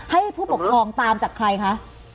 ให้ผู้ปกครองตามจากใครคะ